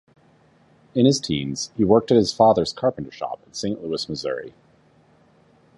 In his teens, he worked in his father's carpenter shop in Saint Louis, Missouri.